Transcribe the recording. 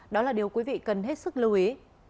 đó là điều quý vị cần hết sức lưu ý